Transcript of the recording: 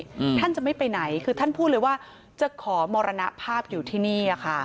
อืมท่านจะไม่ไปไหนคือท่านพูดเลยว่าจะขอมรณภาพอยู่ที่นี่อ่ะค่ะ